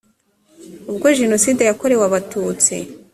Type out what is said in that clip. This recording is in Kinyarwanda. ubwo jenoside yakorewe abatutsi